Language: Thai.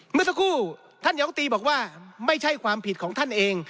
เมื่อสักครู่ท่านยกตรีบอกว่าไม่ใช่ความผิดของท่านเอง